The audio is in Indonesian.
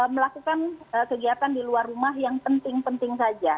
melakukan kegiatan di luar rumah yang penting penting saja